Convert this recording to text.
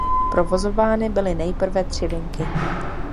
Provozovány byly nejprve tři linky.